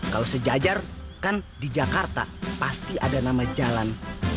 kalau sejajar kan di jakarta pasti ada nama jalan